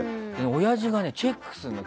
おやじがチェックするの。